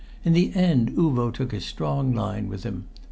In the end Uvo took a strong line with him.